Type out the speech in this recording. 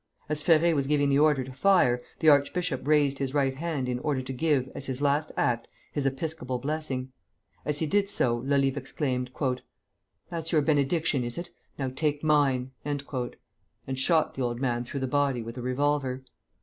As Ferré was giving the order to fire, the archbishop raised his right hand in order to give, as his last act, his episcopal blessing. As he did so, Lolive exclaimed: "That's your benediction is it? now take mine!" and shot the old man through the body with a revolver.